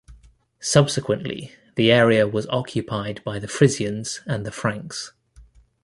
Subsequently, the area was occupied by the Frisians and the Franks.